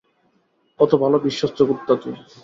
কত ভালো বিশ্বস্ত কুত্তা তুই?